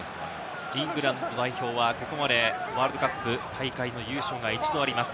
イングランド代表はここまでワールドカップ大会の優勝が一度あります。